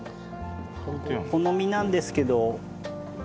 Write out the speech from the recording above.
お好みなんですけど。